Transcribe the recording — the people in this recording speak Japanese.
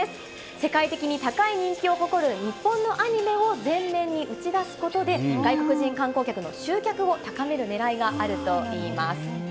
世界的に高い人気を誇る日本のアニメを前面に打ち出すことで、外国人観光客の集客を高めるねらいがあるといいます。